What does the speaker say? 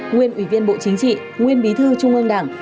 nguyên ủy viên bộ chính trị nguyên bí thư trung ương đảng